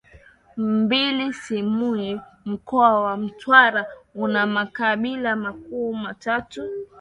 Mbili Simiyu Mkoa wa Mtwara una makabila makuu matatu